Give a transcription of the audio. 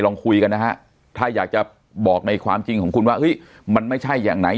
ลองคุยกันนะฮะถ้าอยากจะบอกในความจริงของคุณว่าเฮ้ยมันไม่ใช่อย่างไหน